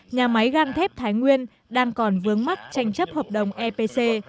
nhà máy gan thép thái nguyên đang còn vướng mắt tranh chấp hợp đồng epc